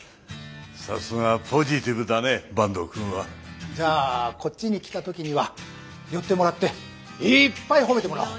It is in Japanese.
さすがポジティブだね坂東くんは。じゃあこっちに来た時には寄ってもらっていっぱい褒めてもらおう。